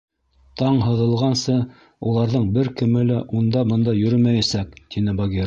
— Таң һыҙылғансы уларҙың бер кеме лә унда-бында йөрөмәйәсәк, — тине Багира.